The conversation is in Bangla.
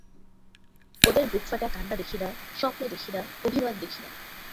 ওদের বুকফাটা কান্না দেখি না, স্বপ্ন দেখি না, অভিমান দেখি না।